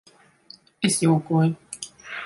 Es jokoju.